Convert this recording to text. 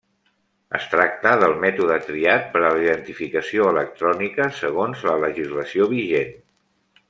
Es tracta del mètode triat per a la identificació electrònica segons la legislació vigent.